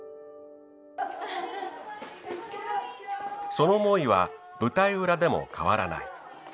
その思いは舞台裏でも変わらない。